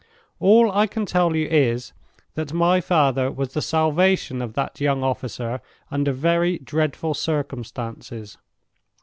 All I can tell you is, that my father was the salvation of that young officer under very dreadful circumstances.